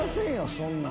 そんなん。